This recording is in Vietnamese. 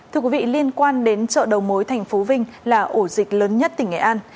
thưa quý vị liên quan đến chợ đầu mối thành phố vinh là ổ dịch lớn nhất tỉnh nghệ an